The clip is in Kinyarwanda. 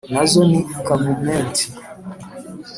Nazo ni Kavumenti :